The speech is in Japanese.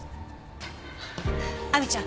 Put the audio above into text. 亜美ちゃん